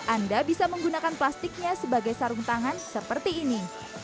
anda bisa menggunakan plastiknya sebagai sarung tangan seperti ini